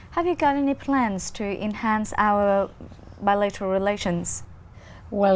hai lời mà tôi có thể tìm ra